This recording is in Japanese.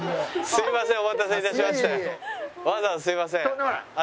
すいません。